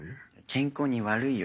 健康に悪いよ